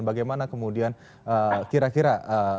bagaimana kemudian kira kira